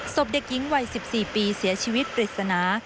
ศพเด็กหญิงวัย๑๔ปีเสียชีวิตปริศนา